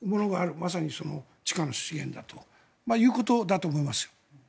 まさに地下の資源だということだと思います。